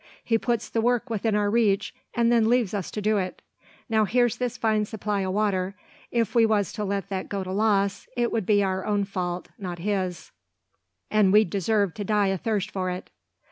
He puts the work within our reach, an' then leaves us to do it. Now here's this fine supply o' water. If we was to let that go to loss, it would be our own fault, not his, an' we'd deserve to die o' thirst for it."